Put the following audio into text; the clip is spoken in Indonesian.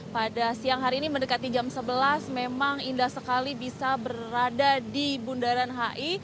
pada siang hari ini mendekati jam sebelas memang indah sekali bisa berada di bundaran hi